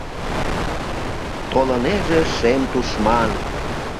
Толынеже шем тушман.